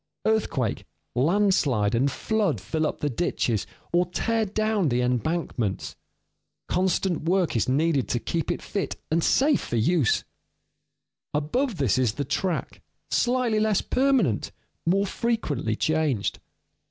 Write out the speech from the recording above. Earthquake, landslide, and flood fill up the ditches, or tear down the embankments. Constant work is needed to keep it fit and safe for use. Above this is the track, slightly less permanent, more frequently changed.